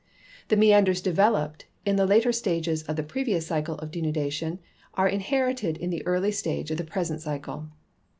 The meanders developed in the later stages of the previous cycle of denudation are inherited in the earl3^ stage of the present C3^1e.